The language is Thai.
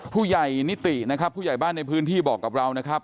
ผู้ใหญ่นิตินะครับผู้ใหญ่บ้านในพื้นที่บอกกับเรานะครับ